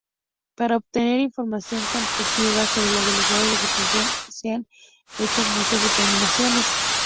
Para obtener información cuantitativa sobre las velocidades de difusión se han hecho muchas determinaciones.